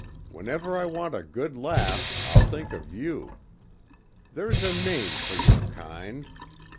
Whenever I want a good laugh I'll think of you. There's a name for your kind...."